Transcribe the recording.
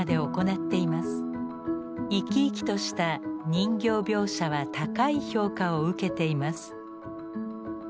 生き生きとした人形描写は高い評価を受けています。